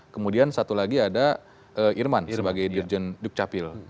kemudian satu lagi ada irman sebagai dirjen dukcapil